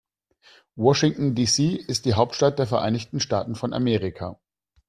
Washington, D.C. ist die Hauptstadt der Vereinigten Staaten von Amerika.